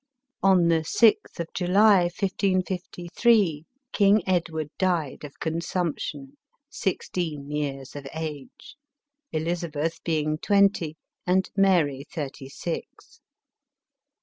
On the 6th of July, 1553, King Edward died of con sumption, sixteen years of age, Elizabeth being twenty and Mary thirty six.